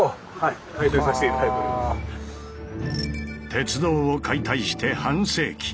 鉄道を解体して半世紀。